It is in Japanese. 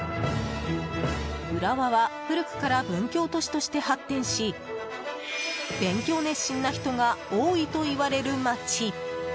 浦和は古くから文教都市として発展し勉強熱心な人が多いといわれる街。